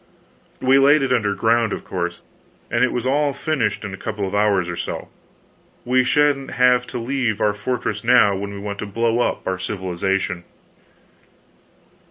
We laid it under ground, of course, and it was all finished in a couple of hours or so. We sha'n't have to leave our fortress now when we want to blow up our civilization."